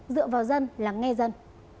dựa vào dân là nghe dân